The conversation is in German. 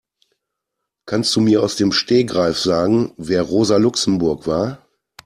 Kannst du mir aus dem Stegreif sagen, wer Rosa Luxemburg war?